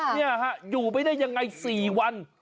เนี่ยฮะอยู่ไม่ได้ยังไง๔วัน